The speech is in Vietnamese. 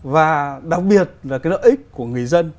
và đặc biệt là cái lợi ích của người dân